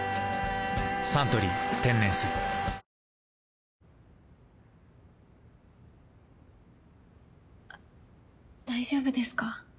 「サントリー天然水」あっ大丈夫ですか？